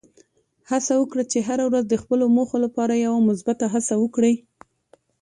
هڅه وکړه چې هره ورځ د خپلو موخو لپاره یوه مثبته هڅه وکړې.